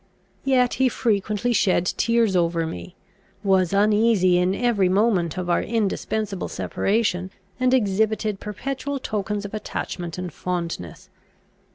Yet he frequently shed tears over me, was uneasy in every moment of our indispensable separation, and exhibited perpetual tokens of attachment and fondness.